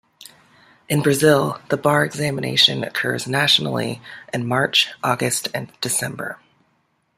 In Brazil, the bar examination occurs nationally in March, August and December.